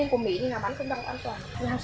không đau đạn sốt